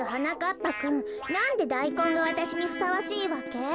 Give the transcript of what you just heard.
ぱくんなんでダイコンがわたしにふさわしいわけ？